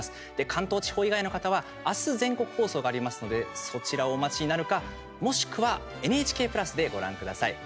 関東地方以外の方は明日全国放送がありますのでそちらをお待ちになるかもしくはＮＨＫプラスでご覧ください。